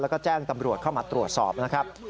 แล้วก็แจ้งตำรวจเข้ามาตรวจสอบนะครับ